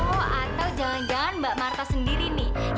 oh atau jangan jangan mbak marta sendiri nih